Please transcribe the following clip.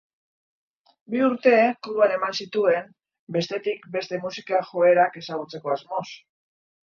Bi urte Kuban eman zituen, bestetik, beste musika-joerak ezagutzeko asmoz.